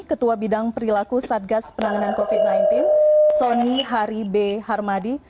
ketua bidang perilaku satgas penanganan covid sembilan belas sony haribe harmadi